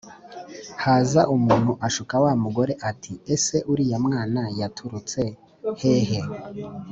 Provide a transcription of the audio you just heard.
Haza umuntu ashuka wa mugore ati”ese uriya mwana yaturutse hehe